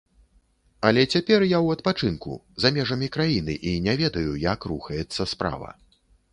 Але цяпер я ў адпачынку, за межамі краіны, і не ведаю, як рухаецца справа.